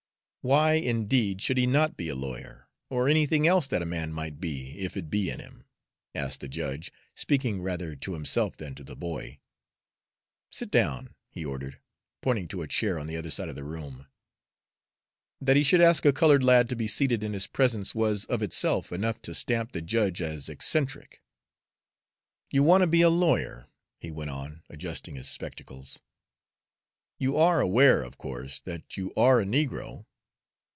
"Why, indeed, should he not be a lawyer, or anything else that a man might be, if it be in him?" asked the judge, speaking rather to himself than to the boy. "Sit down," he ordered, pointing to a chair on the other side of the room. That he should ask a colored lad to be seated in his presence was of itself enough to stamp the judge as eccentric. "You want to be a lawyer," he went on, adjusting his spectacles. "You are aware, of course, that you are a negro?"